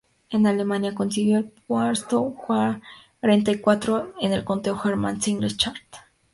En Alemania consiguió el puesto cuarenta y cuatro en el conteo "German Singles Chart".